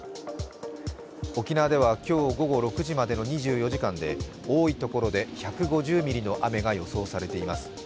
沖縄では今日午後６時までの２４時間で多いところで１５０ミリの雨が予想されています。